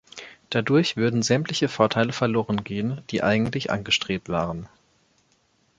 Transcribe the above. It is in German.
Dadurch würden sämtliche Vorteile verloren gehen, die eigentlich angestrebt werden.